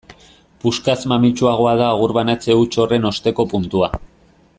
Puskaz mamitsuagoa da agur banatze huts horren osteko puntua.